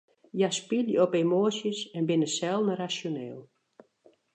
Hja spylje op emoasjes en binne selden rasjoneel.